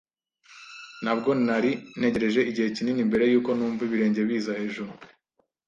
Ntabwo nari ntegereje igihe kinini mbere yuko numva ibirenge biza hejuru.